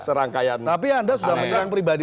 serangkaian tapi anda sudah menyerang pribadi